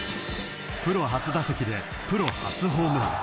［プロ初打席でプロ初ホームラン］